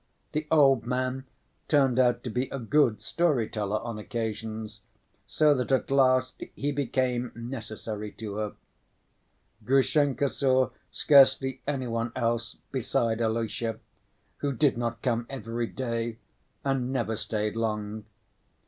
The old man turned out to be a good story‐teller on occasions, so that at last he became necessary to her. Grushenka saw scarcely any one else beside Alyosha, who did not come every day and never stayed long.